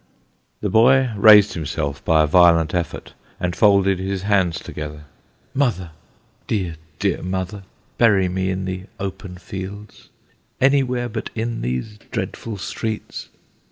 " The boy raised himself by a violent effort, and folded his hands together " Mother ! dear, dear mother, bury me in the open fields anywhere but in these dreadful streets.